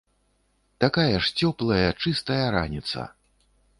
Такая ж цёплая, чыстая раніца!